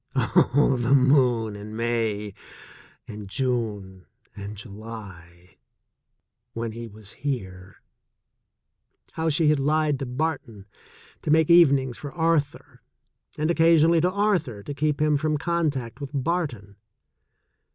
Oh, the moon in May, and June and July, when he was here ! How she had lied to Barton to make evenings for Arthur, and oc casionally to Arthur to keep him from contact with Barton.